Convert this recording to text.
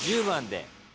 １０番で。